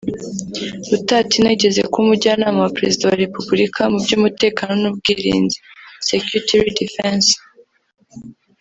Rutatina yigeze kuba Umujyanama wa Perezida wa Repubulika mu by’Umutekano n’Ubwirinzi (Secutiry & Defence)